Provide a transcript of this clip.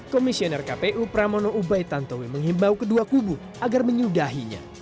komisioner kpu pramono ubaid tantowi menghimbau kedua kubu agar menyudahinya